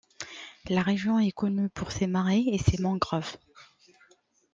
La région est connue pour ses marais et ses mangroves.